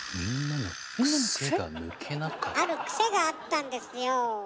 あるクセがあったんですよ。